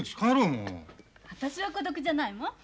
私は孤独じゃないもん。